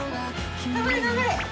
頑張れ頑張れ。